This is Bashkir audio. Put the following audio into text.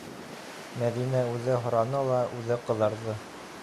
- Мәҙинә үҙе һораны ла, үҙе ҡыҙарҙы.